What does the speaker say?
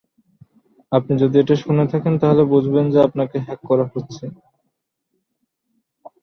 ইরিত্রিয়ার উত্তর-পূর্বাঞ্চল ও পূর্বাঞ্চল লোহিত সাগর বরাবর বিস্তৃত উপকূলরেখা রয়েছে।